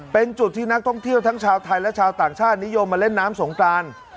เป็นจุดที่นักท่องเที่ยวทั้งชาวไทยและชาวต่างชาตินิยมมาเล่นน้ำสงกราน